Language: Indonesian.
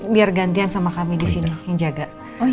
biar gantian sama kami disini yang jaga